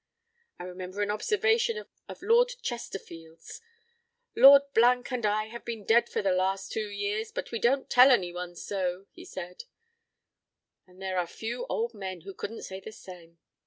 I remember an observation of Lord Chesterfield's: 'Lord and I have been dead for the last two years, but we don't tell anyone so,' he said; and there are few old men who couldn't say the same.